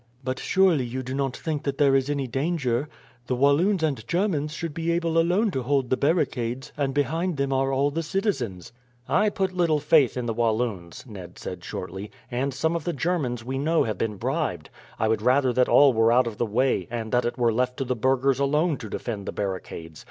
"But surely you do not think that there is any danger. The Walloons and Germans should be able alone to hold the barricades, and behind them are all the citizens." "I put little faith in the Walloons," Ned said shortly; "and some of the Germans we know have been bribed. I would rather that all were out of the way, and that it were left to the burghers alone to defend the barricades.